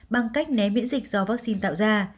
bằng cách né miễn dịch do vaccine tạo ra